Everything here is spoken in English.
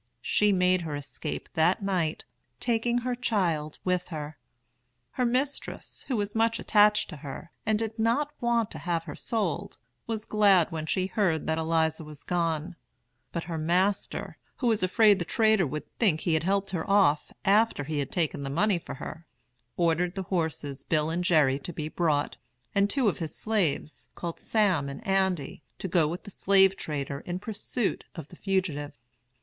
She made her escape that night, taking her child with her. Her mistress, who was much attached to her, and did not want to have her sold, was glad when she heard that Eliza was gone; but her master, who was afraid the trader would think he had helped her off after he had taken the money for her, ordered the horses Bill and Jerry to be brought, and two of his slaves, called Sam and Andy, to go with the slave trader in pursuit of the fugitive.